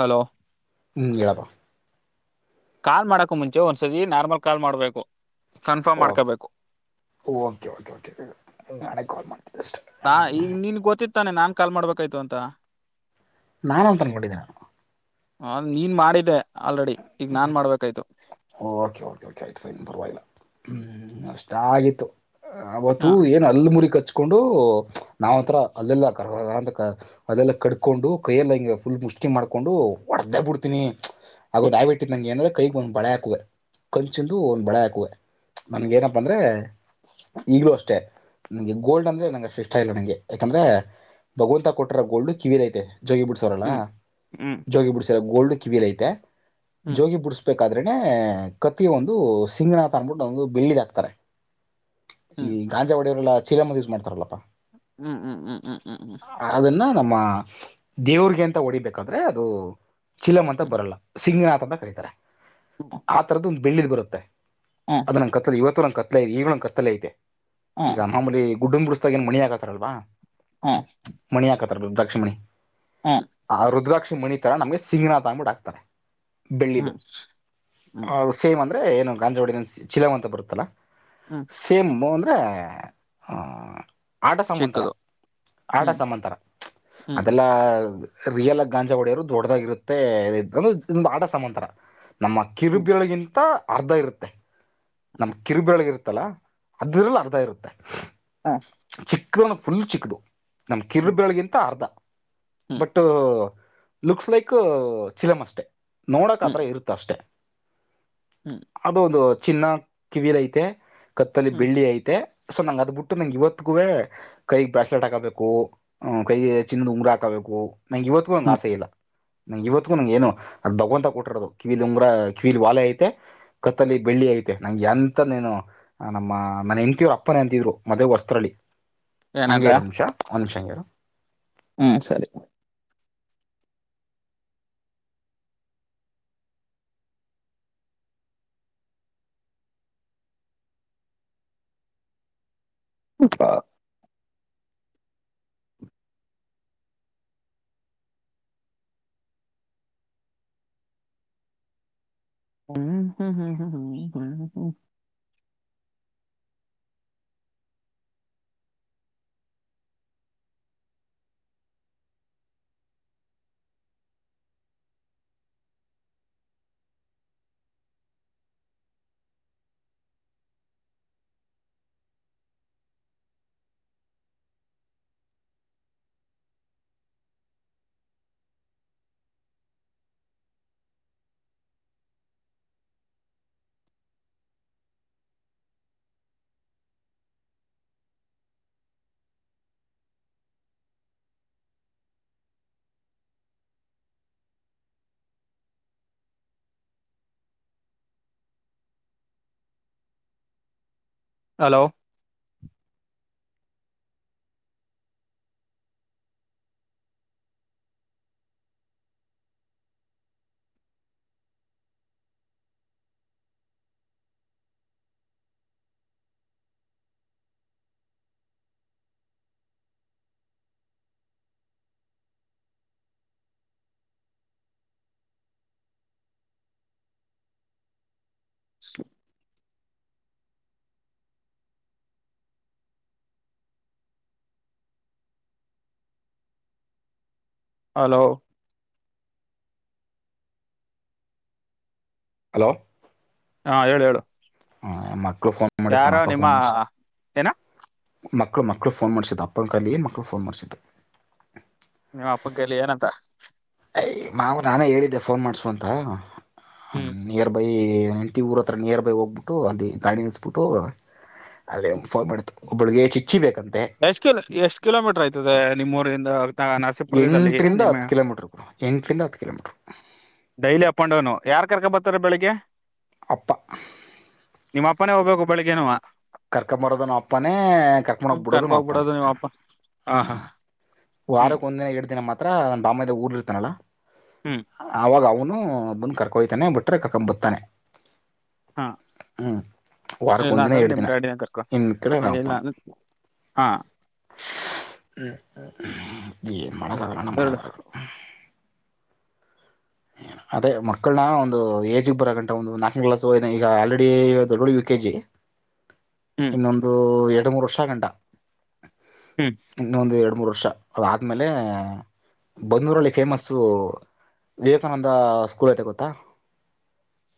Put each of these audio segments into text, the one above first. Hello ಹ್ಮ್ ಎಡದ call ಮಾಡಕ ಮುಂಚೆ ಒಂದ್ಸತಿ ನಾರ್ಮಲ್ ಕಾಲ್ ಮಾಡ್ಬೇಕು ಕನ್ಫರ್ಮ್ ಓಕೆ ಮಾಡ್ಕೋಬೇಕು ಓಕೆ ಕೆ ಕ ನಾನೇ ಕಾಲ್ ಮಾಡ್ತಿದ್ದಷ್ಟ ನಾ ಈಗ ನಿನ್ ಗೊತ್ತಿತ್ತಾನೆ ನಾನ್ ಕಾಲ್ ಮಾಡ್ಬೇಕಾಯ್ತು ಅಂತ ನಾನಂತ ತನ್ಕೊಂಡಿದ್ದೀನಾನು ಹ ನೀನ್ ಮಾಡಿದೆೆ ಆಲ್ರೆಡಿ ಈಗ ನಾನ್ ಮಾಡ್ಬೇಕಾಯ್ತು ಓಕೆ ಓಕೆ ಆಯ್ತು ಫೈನ್ ಪರ್ವಾಗಿಲ್ಲ ಹ್ಮ್ ಅಷ್ಟ ಆಗತ್ತು ಅವತ್ತು ಹ ಏನು ಅಲ್ಲಿ ಮುರಿ ಕಚ್ಚು ೊಂಡು ನಾವ್ಂತತ್ರ ಅಲ್ಲಲ್ಲ ಅಲ್ಲಲ್ಲ ಕಕೊಂಡು ಕೈಯೆಲ್ಲ ಹ ಫುಲ್ ಮು ಿ ಮಾಡಕೊಂಡು ಹೊಡ್ದೇ ಬಿಡ್ತಿನನಿ ಹಾಗದು ಹ್ಮ್ ದಯವಿಟ್ಟು ನಂಗೆ ಏಂದ್ರೆ ಕೈಗ ಒಂದು ಬಳೆ ಹ ಕಂಚಿಂದು ಒಂದು ಬಳೆ ಹಾಕುವೆ ನನ್ಗ ಏನಪ್ಪ ಅಂದ್ರೆ ಈಗ್ಲೂ ಅಷ್ಟೆ ನಂಗೆ ಗೋಲ್ಡ್ ಅಂದ್ರೆ ನಂಗೆ ಅಷ್ಟು ಇಷ್ಟ ಇಲ್ಲ ನಂಗೆ ಯಾಕಂದ್ರೆ ಭಗವಂತ ಕೊಟ್ರ ಗೋಲ್ಡ್ ಕಿವಿಐತೆ ಜೋಗಿ ಬಿಡ್ಸೋರಲ್ಲ ಹ್ಮ್ ಹ್ಮ್ ಜೋಗಿ ಬಿಡ್ಸರ ಗೋಲ್ಡ್ ಕಿವಿಲ್ ಐತೆ ಹ್ಮ್ ಜೋಗಿ ಬಿಡ್ಸ್ಬೇಕಾದ್ರೆ ಕತ್ತಗೆ ಒಂದು ಸಿಂಗನಂತ ಅನ್ಬಿಟ್ಟು ಒಂದು ಬೆಳ್ಳಿದ್ ಹಾಕ್ತಾರೆ ಈ ಹ್ಮ್ ಗಾಂಜಾ ಒಡೆಯವರೆಲ್ಲಾ ಚೀರಮ್ಮದ ಯೂಸ್ ಮಾಡ್ತಾರಲ್ಲಪ್ಪಾ ಹ್ಮ್ ಹ್ಮ್ ಹ್ಮ್ ಹ್ಮ್ ಹ್ಮ್ ಹ್ಮ್ ಅದನ್ನ ನಮ್ಮ ದೇವ್ರಗೆ ಅಂತ ಹೊಡಿಬೇಕಾದ್ರೆ ಅದು ಚಿಲಂ ಅಂತ ಬರಲ್ಲ ಸಿಂಗನಾಥ ತಂತ ಕರೀತಾರೆ ಹ್ಮ್ ಹ್ಮ್ ಹ್ಮ್ ಆ ತರದು ಒಂದ್ ಬೆಳ್ಳಿದ್ ಬರುತ್ತೆ ಅದು ನಂಗೆ ಕತ್ತಲ ಇವತ್ತು ನಂಗೆ ಕತ್ಲಐತೆ ಈವ ನಂಗಗೆ ಕತ್ತಲ ಐತೆ ಈಗ ಮಾಮಲಿ ಗುಡ್ಡ ಬಡಿಸ್ದಾಗ ಏನ್ ಮನಿ ಆಗತಾರಲ್ವಾ ಹಾ ರುದ್ರಾಕ್ಷಿಮಣಿ ಆ ರುದ್ರಾಕ್ಷಿಮಣಿ ತರ ನಮ್ಗೆ ಸಿಂಗನಾಥ ಅಬಿಟ್ಟ ಹಾಕ್ತಾರೆ ಹ್ಮ್ ಹ್ಮ್ ಹೌದು ಸೇಮ್ ಅಂದ್ರೆ ಏನು ಗಾಂಜವಾಡ ಚಲಂ ಅಂತ ಬರುತ್ತಲ್ಲ ಹ್ಮ್ ಸೇಮ್ ಹ್ಮ ಆಟ ಸಾಮಾಂತರ ಚಿಕ್ಕದು ಆಟ ಹ್ಮ್ ಸಮಾಮಾಂತರ ಹ್ಮ್ ಅದೆಲ್ಲ ರಿಯಲ್ ಆ ಗಾಂಜಾ ಹೊಡೆಯೋರು ದೊಡ್ಡದಾಗಿರುತ್ತೆಂದು ಆಟ ಸಮಾಂತರ ನಮ್ಮ ಹ್ಮ್ ಕಿರುಬಿಳಿಗಿಂತ ಅರ್ಧ ಇರುತ್ತೆ ನಮ್ ಕಿರುಬಿಳಗ ಇರುತ್ತೆ ಲ್ಲ ಅದ್ರಲ್ಲಿ ಅರ್ಧ ಇರುತ್ತೆ ಹ್ಮ್ ಚಿಕ್ಕದು ಫುಲ್ ಚಿಕ್ಕದು ನಮ್ಮ ಕಿರು ಬೆಳಗಿಂತ ಅರ್ಧ ಹ್ಮ್ ಬಟ್ ಲುಕ್ಸ್ ಲೈಕ್ ಚಿಲಮ್ ಅಷ್ಟೆ ಹ್ಮ್ ಹ್ಮ್ ನೋಡಕ್ತ್ರ ಇರುತ್ತ ಅಷ್ಟೆ ಹ್ಮ್ ಅದು ಒಂದು ಚಿನ್ನ ಕಿವಿಲ ಐತೆ ಕತ್ತಲ್ಲಿ ಬೆಳ್ಳಿ ಐತೆ ಸೊ ನಂಗೆ ಅದು ಬಿಟ್ಟು ನಂಗೆ ಇವತ್ತು ತ್ಗುವೆ ಕೈಗೆ ಬ್ರಸ್ಲೇಟ್ ಹಾಕಬೇಕು ಕೈಗೆ ಚಿನ್ನದ್ ಉಂಗರ ಹಾಕಬೇಕು ನಂಗೆ ಇವತ್ತುಗೂ ಒಂಗೆ ಹ್ಮ್ ಆಸೆ ಇಲ್ಲ ನಂ ಇವತ್ಗೂ ನಂ ಏನು ಅ ದಗೋಂತ ಕೊಟ್ಟಿರೋದು ಕಿವಿಲಿ ಉಂಗ್ರ ಕಿವಿಲಿ ವಾಲೆ ಐತೆ ಕತ್ತಲ್ಲಿ ಬೆಳ್ಳಿ ಐತೆ ನಂಗೆ ಎಂತನು ನಮ್ಮ ನನ ಎಂತವ್ರು ಅಪ್ಪನ ಎಂತಿದ್ರು ಮದ್ ಹೊಸ್ಲ್ಲಿ ಹಂಗಗೆರೋ ನಿಮಿಷ ಒಂದ್ ನಿಮಿಷ ಹಂಗಗೆರು ಹ್ಮ ಸರಿ ಅಪ್ಪ ಹ್ಮ್ ಹ್ಮ್ ಹ್ಮ್ ಹ್ಮ ಹ್ಮ ಹ್ಮ ಹ್ಮ ಹಲೋ [inaudible] ಹಲೋ ಹಲೋ ಹಾ ಹೇಳ ಹೇಳು ಹಾ ಮಕ್ಳು ಫೋನ್ ಮಾಡಿರ್ಕಣ ಯಾರೋ ಅಪ್ಪ ನಿಮ್ಮ ಫೋನ್ ಮಾಡಸ ಏನ ಮಕ್ಳು ಮಕ್ಳು ಫೋನ್ ಮಾಡ್ಸಿದ್ದ ಅಪ್ಪನ ಕಲ್ಲಿ ಮಕ್ಳು ಫೋನ್ ಮಾಡ್ಸಿದ್ದ ನಿಮ್ಮ ಅಪ್ಪಕ್ಕಲ್ಲಿ ಏನಂತ ಅಯ ಮಾವು ನಾನೇ ಹೇಳಿದ್ದೆ ಫೋನ್ ಮಾಡ್ಸ ಅಂತ ಹ್ಮ್ ನಿಯರ್ಬೈ ಹೆಂಡತಿ ಊರ ಹತ್ರ ನಿಯರ್ ಬೈ ಹೋಗ್ಬಿಟ್ಟು ಅಲ್ಲಿ ಗಾಡಿನಿಸಸ್ಬಿಟ್ಟು ಅದೇ ಫೋನ್ ಮಾಡತು ಒಬ್ಬಳಿಗೆ ಚಿ ಎಷ್ಟ ಎಷ್ಟ ಕಿಲೋಮೀಟರ್ ಆಯ್ತದೆ ನಿಮ್ಮ ಊರಿಂದ ನರಸೀಪುರದಿಂದ ಅಲ್ಲಿಗೆ ಎಂಟರಿಂದ ಹತ್ತು ಕಿಲೋಮೀಟರ್ ಬಡ ಎಂಟರಿಂದ ಹತ್ತು kilometre daily up and down ಯಾರ್ ಕರ್ಕ ಬರ್ತಾರೆ ಬೆಳಗ್ಗೆ [unintelligible] ಅಪ್ಪ [unintelligible] ನಿಮ್ಮ ಅಪ್ಪನೇ ಹೋಗ್ಬೇಕು ಬೆಳಿಗ್ಗೆನುವ [unintelligible] ಕರ್ಕ ಬರೋದ ನ ಅಪಾನೆ ಕರ್ಕ ಮಾಡಕ್ ಬಿಡೋದನು ಅಪಾನೆ ಹೋಗ್ಬಿಡೋದು ನಿಮ್ಮ ಅಪ್ಪ ಹ ಆ ಹಾ [unintelligible] ಹ್ಮ್ ವಾರಕ್ ಒಂದ ದಿನ ಎಏಡ್ ದಿನ ಮಾತ್ರ ನನ್ನ ಬಾಮದ ಊರ್ಲಿ ಇರ್ತಾನಲ್ಲ ಹ್ಮ್ ಅವಾಗ ಅವನು [unintelligible] ಬಂದ್ ಕರ್ಕೋಯ್ತಾನೆ ಬಿಟ್ರೆ ಕರ್ಕೊಂಡ್ ಬತಾನೆ ಹಾ [unintelligible] ಹ್ಮ್ ವರಕ್ಕ ಇಲ್ಲ ಒಂದಿನ ಅಂತಂದ್ರೆ ನಿಮ್ ಎಡ್ತಿನ ಡ್ಯಾಡಿನ ಕರ್ಕೊ ಇ ಕಡೆ ಇಲ್ಲ ನಪ್ಪಾನ [unintelligible] ಅಂದ್ರ ಹಾ [unintelligible] ಹ್ಮ್ನ್ ಮಳೆಗಾಗಣ ಮನೆ ಬೆರಡು ಬರ [unintelligible] [unintelligible] ಅದೇ ಮಕ್ಕಳನ ಒಂದು ಏಜ್ಗೆ ಬರ ಗಂಂತ ಒಂದು ನಾಲ್ಕನೇ ಕ್ಲಾಸ್ ಹೋಗ ಈಗ ಆಲ್ರೆಡಿ ದೊಡ್ಡ ಯು ಕೆ ಜಿ [unintelligible] [unintelligible] ಹ್ಮ್ ಇನ್ನೊಂದು ಎರಡು ಮೂರು ವರ್ಷ ಗಂಟ ಹ್ಮ್ ಇನ್ನೊಂದು ಎರಡು [unintelligible] ಮೂರು ವರ್ಷ ಅದಾದಮೇಲೆ ಬಂದೂರಲ್ಲಿ ಫೇಮಸ್ಸು [unintelligible] ವಿವೇಕಾನಂದ ಸ್ಕೂಲ್ ಐತೆ ಗೊತ್ತಾ [unintelligible]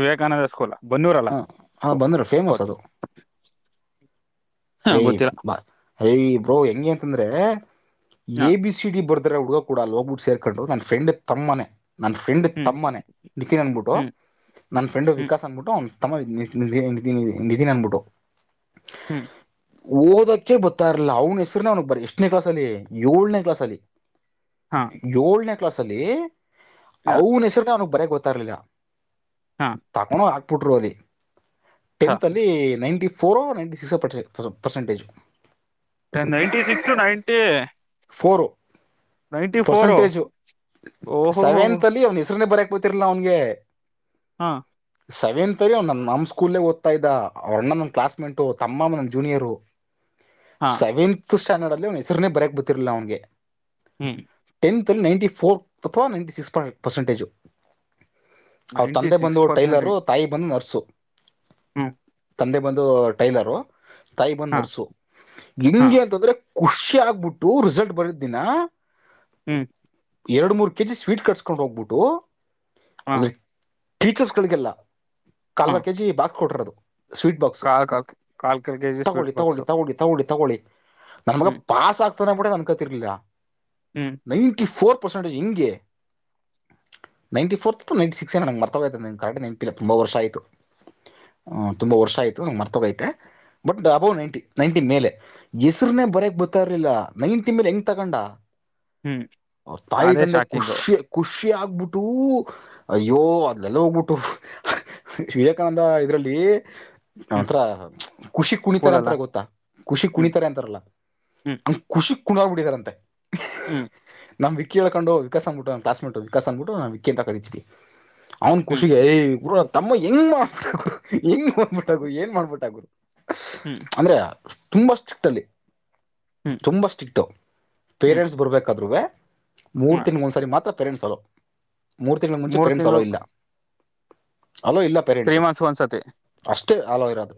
ವಿವೇಕಾನಂದ ಸ್ಕೂಲ್ ಬನ್ನೂರಲ್ಲ ಹ ಹಾ ಬಂದ್ರೀ ಫೇಮಸ್ ಗೊತ್ತು ಅದು [unintelligible] ಹಾ ಯ ಗೊತ್ತಿಲ್ಲ ಬ ಯ ಬ್ರೋ ಹೆಂಗೆ ಅಂತಂದ್ರೆ ಹಾ ಎ ಬಿ ಸಿ ಡಿ ಬರ್ತ [unintelligible] ಹುಡುಕ ಕಡ ಅ ಹೋಗ್ಬಿು ಸೇರ್ಕೊಂಡ್ ನನ್ ಫ್ರೆಂಡ್ ತಮ್ಮನನೆ [unintelligible] ನನ್ನ ಫ್ರೆಂಡ್ ಹ್ಮ್ ತಮ್ಮನನೆ ನಿಖಿನ್ ಅಂದಬಿಟ್ಟು ಹ್ಮ್ ನನ್ನ ಫ್ರೆಂಡ್ ಹ್ಮ್ ವಿಕಾಸ್ ಅನ್ಬಿಟ್ಟು ಅವ [unintelligible] ತಮ್ಮ ನಿಧನ್ನ್ಬುಟ್ಟು [unintelligible] ಹ್ಮ್ ಓದಕ್ಕೆ ಬೊತ್ತಾ ಇಲಿಲ್ಲ ಅವ್ನ ಹೆಸ್ರುನ ಅವನಿಗೆ ಬರ ಎಷ್ಟನೇ ಕ್ಲಾಸಸಲ್ಲಿ ಏಳನೇ ಕ್ಲಾಸಲ್ಲಿ ಹಾ [unintelligible] ಏಳನೇ ಕ್ಲಾಸ್ ಅಲ್ಲಿ ಅವನ ಹೆಸರು ಅವ [unintelligible] ಬರೇ ಗೊತ್ತರ್ಲಿಲ್ಲ [unintelligible] ಹಾ ತಕೊಂಡ ಹಾಕ್ಬಿಟ್ರು ಅಲ್ಲಿ ಹಾ ಟೆಂತ್ಲನೈಂಟಿ four ninety six per percentage [unintelligible] ninety six to ninety [unintelligible] four percentage ಓಹೋ ಹೋ ಸೆವೆಂತ್ ಅಲ್ಲಿ ಅವನ ಹೆಸ್ರನ್ನ ಬರ [unintelligible] ಬರ್ತಿರಲಿಲ್ಲ [unintelligible] ಅವನ್ಗೆ ಹಾ [unintelligible] ಸೆವೆನ್ತ್ರಿ ಅವ್ ನಮ್ಮ ಸ್ಕೂಲ್ಲೇ ಓದ್ತಾ ಇದ್ದ ಅವ್ರ ಅಣ್ಣ ನನ್ನ ಕ್ಲಾಸ್ ಮೇಟು ತಮ್ಮ ಅಮ್ಮ ನನ್ನ ಜೂನಿಯರು ಹಾ [unintelligible] ಸೆವೆಂತ್ ಸ್ಟ್ಯಾಂಡರ್ಡ್ ಅಲ್ಲಿ ಅವ್ನ ಹೆಸರುನೇ ಬರಕ್ ಗೊತ್ತಿರ್ಲ ಅವ್ನಿಗೆ [unintelligible] ಹ್ಮ್ [unintelligible] ಇಲ್ಲಿ ನೈಂಟಿ ಫೋರ್ ಅಥವಾ ನೈಂಟಿ ಸಿಕ್ಸ್ ಪರ್ಸೆಂಟೇಜು [unintelligible] ಅವ್ರ ನೈಂಟಿ ತಂದೆ ಬಂದು ಸಿಕ್ಸ್ ಟೈಲರು ತಾಯಿ ಬಂದು ನರ್ಸು [unintelligible] ಹ್ಮ [unintelligible] ತಂದೆ ಬಂದು ಟೈಲರು ತಾಯಿ ಬಂದು ಹಾ ನರ್ಸು ಹಾ ಹಂಗೆ ಅಂತಂದ್ರೆ [unintelligible] ಖುಷಿ ಆಗ್ಬಿಟ್ಟು ರಿಸಲ್ಟ್ ಬರಿದ್ದ ದಿನ [unintelligible] ಹ್ಮ್ [unintelligible] ಎರಡು ಮೂರು ಕೆ ಜಿ ಸ್ವೀಟ್ ಕಟ್ಸಕೊಂಡು ಹೋಗ್ಬಿಟ್ಟು ಹಾ ಅಂದರೆ ಟೀಚರ್ಸ್ಗಳಿಗೆಲ್ಲ [unintelligible] ಹಾ ಕಾಲ್ದ ಕೆಜಿ ಬಾಕ್ಸ್ ಕೊಟರದು ಸ್ವೀಟ್ ಬಾಕ್ಸು ಕಾಲ್ ಕಾಲ್ ಕಾಲ್ ಕಾಲ್ [unintelligible] ಕೆಜಿ ಸ್ವೀಟ್ ತಗೊಳ್ಳಿ ತಗೊಳ್ಳಿ ಬಾಕ್ಸು ತಗೊಳ್ಳಿ ತಗೊಳ್ಳಿ ತಗೊಳ್ಳಿ ನಮ್ಗ ಹ್ಮ್ ಪಾಸ್ ಆಗ್ [unintelligible] ಕೂಡ ನನ್ ಕತಿರ್ಲಿಲ್ಲ ಹ್ಮ್ ನೈನ್ಟಿ ಫೋರ್ ಪರ್ಸೆಂಟೇಜ್ ಹಿಂಗೆ [unintelligible] ninety fourth to ninety six ನನಗೆ ಮರ್ತವಿದ್ದ ನನ್ನ ಕರಟ ನನಪಿಲ್ಲ ತುಂಬ ವರ್ಷ ಆಯಿತು [unintelligible] ಹ ತುಂಬಾ ವರ್ಷ ಆಯ್ತು ಮರ್ತೋಗೈತೆ [unintelligible] ಬಟ್ ಅಬೌವ್ ನೈನ್ಟಿ ನೈಂಟಿ ಮೇಲೆ ಹೆಸರುನೆೇ ಬರಕ್ ಬರ್ತ್ತಾ ಇರ್ಲಿಲ್ಲ [unintelligible] ನೈನ್ ತಿಮ್ಮೇಲೆ ಹೆಂಗ್ ತಗೊಂಡ ಹ್ಮ್ ಅವ ತಾಯಿ ಅದೇ ತಂದೆ ಶಾಕಿಂಗು ಖುಷಿ ಖುಷಿಯ ಆ [unintelligible] ಹೋಗಬಿಟ್ಟು ಅಯ್ಯೋ ಅದಲೆಲ್ಲ ಹೋಗ್ಬಿಟ್ಟು [unintelligible] ವಿವೇಕಾನಂದ ಇದರಲ್ಲಿ [unintelligible] ಹ್ಮ್ ನಾಂತ್ರ ಖುಷಿ ಕುಣಿತಾರೆ ಸ್ಕೂಲಲ್ಲ ಅಂತಾರೆ ಗೊತ್ತಾ ಖುಷಿ ಹ್ಮ್ ಕುಣಿತಾರೆ ಅಂತಾರಲ್ಲ ಹ್ಮ್ ಅ [unintelligible] ಕುಣ್ದಡ್ ಬಿಡಿದಾರಂತೆ ಹ್ಮ್ [unintelligible] ನಮ್ಮ್ಿಕಕ್ಕ ಹೇಳಳ್ಕು ವಿಕಸ್ ಅ್ಬಿಟ್ಟು ಕಾಸ್ಿಟ್ಟು ವಿಕಾಸ್ ಅ್ಬಿು ನಾವು ವಿಕ್ಕ ಅಂತ ಕರಿೀತೀವಿ. ಅವ್ನ್ ಹ್ಮ್ ಖುಷಿಗೆ ಯ ತಮ್ಮ ಹೆಂಗ್ ಮಾಡ್ಬಿಟ್ಟಾಗರು ಹೆಂಗ್ ಮಾಡ್ಬಿಟ್ಟಾಗರು ಏನ್ ಮಾಡ್ಬಿಟ್ಟಾಗರು. ಹ್ಮ್ ಅಂದ್ರೆ ತುಂಬಾ ಸ್ಟ್ರಿಕ್ಟ್ ಅಲ್ಲಿ. ಹ್ಮ್ ತುಂಬ ಸ್ಟಿಕ್ಟು ಹ್ಮ್ ಪೇರೆಂಟ್ಸ್ ಬರಬೇಕಾದ್ರೂ. ಮೂರು ಹ್ಮ್ ತಿಂಗಳು ಒಂದ್ಸಾರಿ ಮಾತ್ರ ಪೇರೆಂಟ್ಸ್ ಅಲೋ ಮೂರು ತಿಂಗಳ ಮುಂಚೆ ಮೂರ್ ಪೇರೆಂಟ್ಸ್ ಹಲೋ ತಿಂಗಳು ಇಲ್ಲ. ಅಲೋ ಇಲ್ಲ ತ್ರೀ ಪೇರೆಂಟ್ಸು ಮಂತ್ಸ್ ಒಂದ್ಸತಿ ಅಷ್ಟ. ಅಷ್ಟೇ ಅಲೋ ಇರೋದು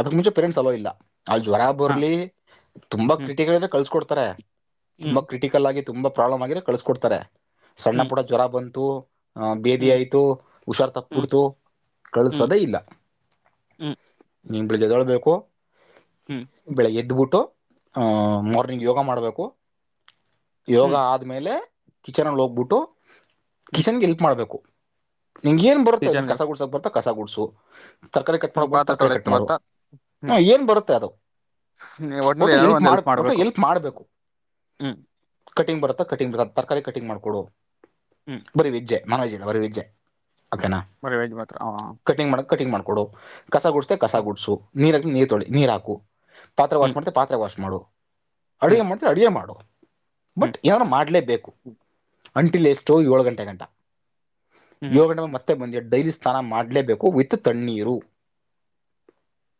ಅದಕ್ ಮುಂಚೆ ಪೇರೆಂಟ್ಸ್ ಹಲೋ ಇಲ್ಲ ಅಲ್ಲಿ ಜ್ವರ ಹಾ ಬರಲಿ. ತುಂಬಾ ಹ್ಮ್ ಕ್ರಿಟಿಕಲ್ ಅಂದ್ರೆ ಕಳ್ಸಕೊಡ್ತಾರೆ ತುಂಬಾ ಹ್ಮ್ ಕ್ರಿಟಿಕಲ್. ತುಂಬಾ ಪ್ರಾಬ್ಲಮ್ ಆಗಿರೆ ಕಳಸಕೊಡ್ತಾರೆ ಸಣ್ಣ ಹ್ಮ್ ಪುಡ ಜ್ವರ ಬಂತು. ಆ ಬೇದಿ ಹ್ಮ್ ಆಯ್ತು ಹುಷಾರ್ು ಹ್ಮ್ ತಪ್ಪಬಿಡ್ತು ಕಳ್ಸದೇ ಇಲ್ಲ. ಹ್ಮ. ನಿ ಬೆಳಿಗ್ಗೆ ಎದೊಳ್ಬೇಕು ಬೆಳಿಗ್ಗೆ ಎದ್ದ್ಬುಟ್ಟು. ಮಾರ್ನಿಂಗ್ ಯೋಗ ಮಾಡಬೇಕು ಯೋಗ ಹ್ಮ್ ಆದ್ಮೇಲೆ. ಕಿಚನ್ಲ್ಲಿ ಹೋಗ್ಬಿಟ್ಟು ಹ್ಮ್ ಕಿಚನ್ಗೆ ಎಲ್ಪ್ ಮಾಡ್ಬೇಕು. ನಿಂಗ ಏನ್ ಬರುತ್ತೆನ್ ಕಿಚನ್ಗೆ ಕಸ ಗುಡ್ಸಕ್ ಬರುತ್ತ ಕಸಗ ಗುಡ್ಸು. ತರಕಾರಿ ಕಟ್ ಹ್ಮ್ ಮಾಡೋ ಬರ ಪಾತ್ರೆ ತರಕಾರಿ ಕಟ್ ತೊಳೆತ ಮಾಡುವ ಬತ್ತ ಹ ಹ್ಮ್ ಏನು ಬರುತ್ತೆ ಅದು. ಒಟ್ನಲ್ಲಿ ಒಟ್ಟು ಏನಾದ್ರು ಎಲ್ಪ್ ಒಂದ್ ಮಾಡ ಹೆಲ್ಪ್ ಒಟ್ಟು ಮಾಡ್ಬೇಕು ಎಲ್ಪ್ ಮಾಡ್ಬೇಕು. ಹ್ಮ್ ಕಟಿಂಗ್ ಬರುತ್ತಾ ಕಟಿಂಗ್ ಬರುತ್ತ ತರಕಾರಿ ಕಟಿಂಗ್ ಮಾಡ್ಕೊಡು ಹ್ಮ್ ಬರೀ ವಜ್ಜೆ ನಾನ್ ವಜ್ ಇಲ್ಲ ಬರೀ ವಜ್್ಯೆ. ಓಕೆನಾ ಬರೀ ವೆಜ್ ಮಾತ್ರ ಕಟಿಂಗ್ ಮಾಡಕ್ ಕಟಿಂಗ್ ಮಾಡ್ಕ. ಕೊಡು ಕಸ ಗುಡಸ್ೆ ಕಸ ಹ್ಮ್ ಗುಡಸು ನೀರ್ ಹಾ ನೀರ್ ತೊಳಿ ನೀರ್ ಹಾಕು. ಪಾರೆ ವಾ್ ಹ್ಮ್ ಮಾಡತ ಪಾತ್ರೆ ವಾ್ ಮಾಡು. ಹ್ಮ್ ಅಡುಗೆ ಮಾಡಿದೆ ಅಡುಗೆ ಮಾಡುವ ಬಟ್ ಹ್ಮ್ ಏನಾರೂ ಮಾಡಲೇಬೇಕು. ಅಂಟಿಲ್ ಎಷ್ಟೋ ಏಳು ಗಂಟೆ ಗಂಟ ಹ್ಮ್ ಹ್ಮ್ ಏಳು ಗಂಟೆ ಮತ್ತೆ ಬಂದ ಡೈಲಿ. ಸ್ಥಾನ ಮಾಡಲೇಬೇಕು ವಿತ್ ತಣ್ಣೀರು.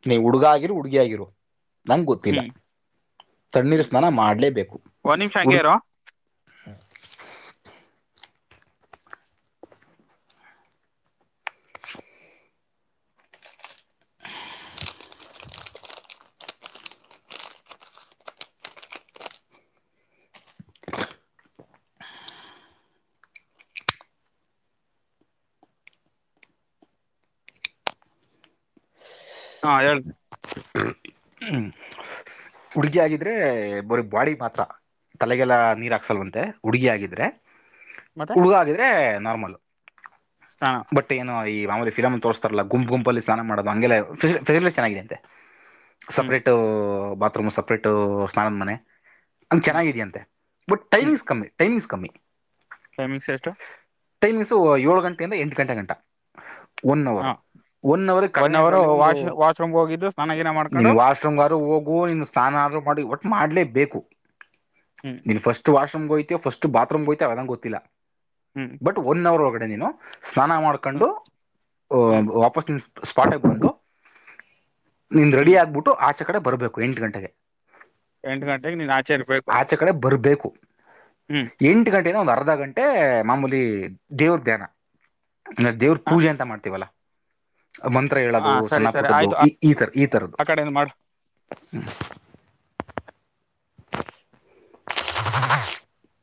ನೀ ಹುಡುಗ ಆಗಿರು ಹುಡ್ಗಿ ಆಗಿರು ನಂಗಗೆ ಗೊತ್ತಿಲ್ಲ. ಹ್ಮ್ ತಣ್ಣೀರು ಹ್ಮ್ ಸ್ನಾನ ಮಾಡಲೇಬೇಕು ಒಂದ್ ನಿಮಿಷ ಹಂಗೆ ಹುಡುಗಿ. ಇರು ಹಾ ಹೇಳು. ಹುಡ್ಗಿ ಆಗಿದ್ರೆ ಬರ ಬಾಡಿ ಮಾತ್ರ ತಲೆಗೆಲ್ಲ ನೀರ್ ಹಾಕ್ಸಲ್ವಂತೆ ಹುಡುಗಿ ಆಗಿದ್ರೆ. ಮತ್ತೆ ಹುಡುಗ ಆಗಿದ್ರೆ ನಾರ್ಮಲ್ ಸ್ನಾನ ಬಟ್ ಏನೋ ಈ. ್ರ ಫರ ತೋರ್ತಾರಲ್ಲ ಗುಂಪ್ ಗುಂಪ ಅ ಸ್ಾನ ಮಾಡುದು ಹಫಿಲಿಟ ಚನ್ನಾಗಿದೆಂತೆ. ಹ್ಮ್ ಸಪ್ರೇಟ್ ಬಾತ್ರೂಮ್ ಸಪ್ರೇಟ್ ಸ್ನಾನದ ಮನೆ. ಹಂಗಗೆ ಹ್ಮ್ ಚೆನ್ನಿದೆಯ ಅಂತೆ ಬಟ್ ಹ್ಮ್ ಟೈಮಿಂಗ್ಸ್ ಕಮ್ಮಿ ಟೈಮಿಂಗ್ಸ್ ಕಮ್ಮಿ. ಟೈಮಿಂಗ್ಸ್ ಎಷ್ಟು. ಟೈಮಿಂಗ್ಸು ಏಳು ಗಂಟೆಯಿಂದ ಎಂಟು ಗಂಟೆ ಗಂಟ ಒನ್ ಅವರು. ಹ ಒನ್ ಅವರ್ ಒನ್ ಕಡಿಮೆ ಆದ ಒಂದು ವಾಶ್ ವಾಶ್ರೂಮ್ ಹೋಗಿದ್ದು ಸ್ನಾನ ಗೀನ ನಿನ್ ಮಾಡ್ಕೊಂಡು ವಾಶ್ರೂಮ್ಾರು ಹೋಗುವ ನಿ ಸ್ನಾನ. ್ರೂ ಮಾಡಿ ಒಟ್ಟು ಮಾಡಲೇಬೇಕು ಹ್ಮ್ ನೀ ಫಸ್ಟ್ ವಾಷ ಹೋಯ್ತ. ಫಸ್ಟ್ ಬಾತ್ರೂಮ್ ಹೋಗ್ತ ಅವದಂಗಗೆ ಗೊತ್ತಿಲ್ಲ ಹ್ಮ್ ಬಟ್ ಒನ್ ಅವರ್ ಒಳಗಡೆ ನೀನು. ಸ್ನಾನ ಮಾಡ್ಕೊಂಡು ಹ್ಮ್ ಹ್ಮ್ ವಾಪಸ್ ನಿಮ್ಮ ಸ್ಪಾಟಿಗೆ ಬಂದು. ನಿಂದ ರೆಡಿ ಹ್ಮ್ ಆಗ್ಬಿಟ್ಟು ಆಚೆ ಕಡೆ ಬರ್ಬೇಕು ಎಂಟು ಗಂಟೆಗೆ. ಎಂಟು ಗಂಟೆಗೆ ನೀನ್ ಆಚೆ ಇರ್ಬೇಕು ಆಚೆ ಕಡೆ ಬರಬೇಕು ಹ್ಮ್ ಎಂಟು ಗಂಟೆಯಿಂದ ಒಂದು ಅರ. ಅರ್ಧ ಗಂಟೆ ಮಾಮೂಲಿ ದೇವ್ರ ಧ್ಯಾನ ಅಂದ ದೇವ್ರ ಪೂಜೆ ಅಂತ ಮಾಡ್ತೀವಲ್ಲ. ಮಂತ್ರ ಹ ಹೇಳೋದು ಸರಿ ಸಣ್ಣ ಸರಿ ಪುಟ್ಟದ್ದು ಆಯ್ತು ಆ ಈ ಈ ತರ ಈ ತರದ್ದು ಆ ಕಡೆಯಿಂದ ಮಾಡು ಹ್ಮ. ಹ.